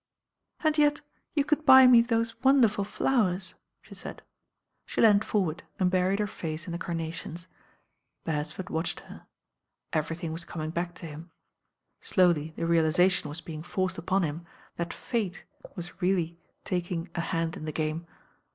"And yet you could buy me those wonderful flowers," she said. She leaned forward and buried her face in the carnations. Beresford watched her. Everything was coming back to him. Slowly the realization was being forced upon him that Fate was really taking THE MORNING AFTER «76 a hand in the game.